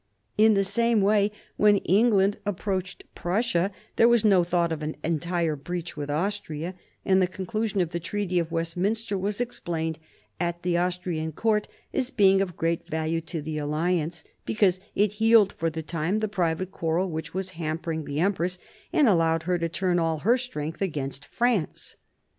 In the same way, when England approached Prussia, there was no thought of an entire breach with Austria, and the con clusion of the Treaty of Westminster was explained at the Austrian court as being of great value to the alliance, •because it healed for the time the private quarrel which was hampering the empress, and allowed her to turn all her strength against France.